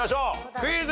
クイズ。